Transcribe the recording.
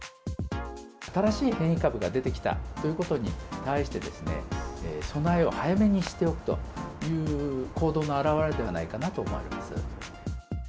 新しい変異株が出てきたということに対して、備えを早めにしておくという行動の表れではないかなと思います。